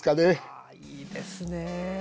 あいいですね！